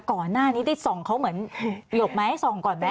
ก่อนหน้านี้ที่๒เขาเหมือนหยกไหม๒ก่อนไหม